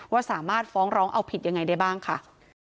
ว่าสามารถฟ้องร้องเอาผิดยังไงได้บ้างค่ะ